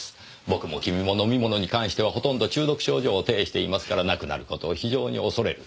僕も君も飲み物に関してはほとんど中毒症状を呈していますからなくなる事を非常に恐れる。